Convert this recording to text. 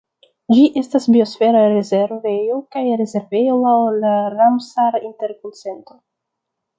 Ĝi estas biosfera rezervejo kaj rezervejo laŭ la Ramsar-Interkonsento.